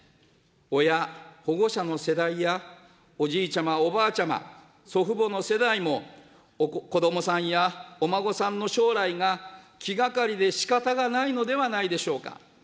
親、保護者の世代や、おじいちゃま、おばあちゃま、祖父母の世代も、子どもさんやお孫さんの将来が気がかりでしかたがないのではないでしょうか。